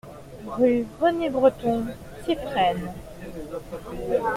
Rue René Breton, Thieffrain